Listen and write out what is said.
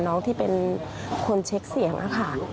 น้องที่เป็นคนเช็คเสียงนะคะ